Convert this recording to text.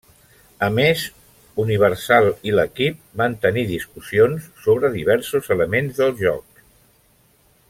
A més, Universal i l'equip van tenir discussions sobre diversos elements del joc.